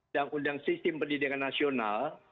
yang undang sistem pendidikan nasional